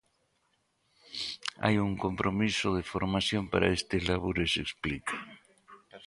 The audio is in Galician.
"Hai un compromiso de formación para estes labores", explica.